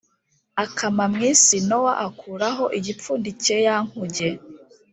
Akama mu isi nowa akuraho igipfundikiye ya nkuge